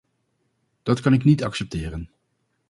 Dat kan ik niet accepteren.